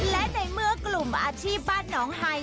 และในเมื่อกลุ่มอาชีพบ้านหนองไฮ